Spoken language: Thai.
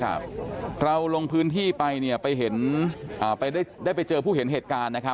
ครับเราลงพื้นที่ไปได้ไปเจอผู้เห็นเหตุการณ์